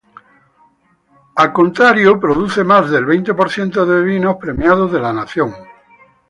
Por contra produce más del veinte por ciento de vinos premiados de la nación.